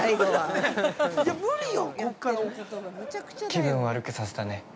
◆気分悪くさせたね。